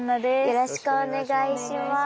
よろしくお願いします。